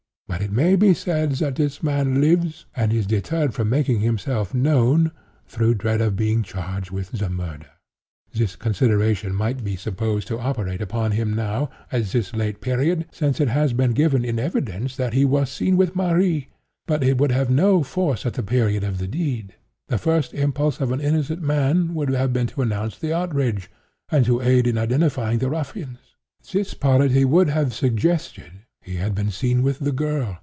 But it may be said that this man lives, and is deterred from making himself known, through dread of being charged with the murder. This consideration might be supposed to operate upon him now—at this late period—since it has been given in evidence that he was seen with Marie—but it would have had no force at the period of the deed. The first impulse of an innocent man would have been to announce the outrage, and to aid in identifying the ruffians. This policy would have suggested. He had been seen with the girl.